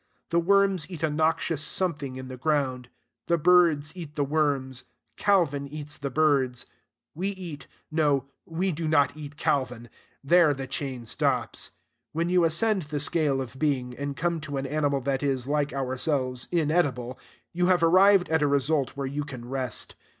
The worms eat a noxious something in the ground. The birds eat the worms. Calvin eats the birds. We eat no, we do not eat Calvin. There the chain stops. When you ascend the scale of being, and come to an animal that is, like ourselves, inedible, you have arrived at a result where you can rest.